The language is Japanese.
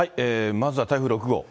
まずは台風６号。